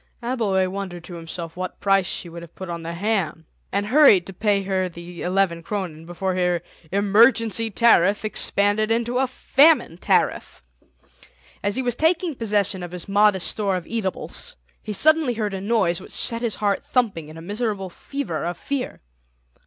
Abbleway wondered to himself what price she would have put on the ham, and hurried to pay her the eleven kronen before her emergency tariff expanded into a famine tariff. As he was taking possession of his modest store of eatables he suddenly heard a noise which set his heart thumping in a miserable fever of fear.